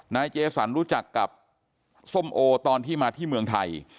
นายเจสันรู้จักกับส้มโอตอนที่มาที่เมืองไทย